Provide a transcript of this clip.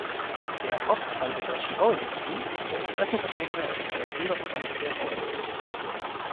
Der Hauptverband der Deutschen Bauindustrie ist der Interessenvertreter und Arbeitgeberverband der Bauindustrie.